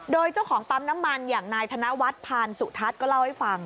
โดยเจ้าของปั๊มน้ำมันอย่างนายธนวัฒน์พานสุทัศน์ก็เล่าให้ฟัง